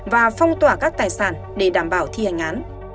và phong tỏa các tài sản để đảm bảo thi hành án